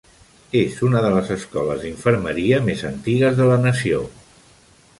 És una de les escoles d'infermeria més antigues de la nació.